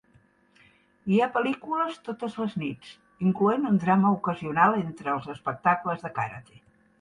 Hi ha pel·lícules totes les nits, incloent un drama ocasional entre els espectacles de karate.